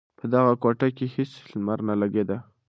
په دغه کوټه کې هېڅ لمر نه لگېده.